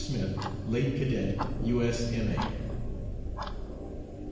SMITH, "Late Cadet U.S.M.A."